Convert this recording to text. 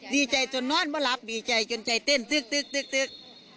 ดีใจจนนอนมาหลับดีใจจนใจเต้นตึ๊ก